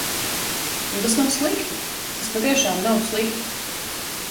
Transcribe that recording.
Un tas nav slikti, tas patiešām nav slikti.